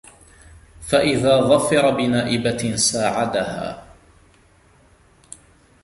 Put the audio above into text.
فَإِذَا ظَفِرَ بِنَائِبَةٍ سَاعَدَهَا